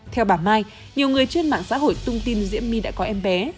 theo bà mai nhiều người trên mạng xã hội tung tin diễm my đã có em bé